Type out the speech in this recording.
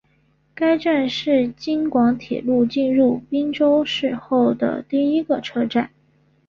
该站是京广铁路进入郴州市后的第一个车站。